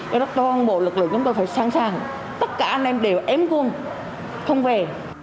các bộ lực lượng chúng tôi phải sẵn sàng tất cả anh em đều ém quân không về